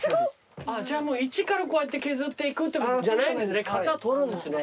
じゃあもう一からこうやって削っていくってことじゃないんですね。